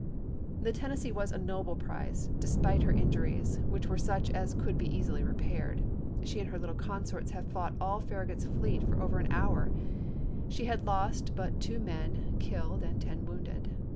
The Tennessee was a noble prize, despite her in juries, which were such as could be easily repaired. She and her little consorts had fought all Farra gut's fleet for over an hour — she had lost but two men killed and ten wounded.